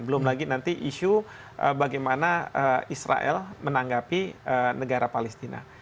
belum lagi nanti isu bagaimana israel menanggapi negara palestina